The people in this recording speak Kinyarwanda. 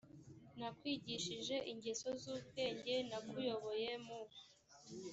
nakwigishije ingeso z ubwenge nakuyoboye mu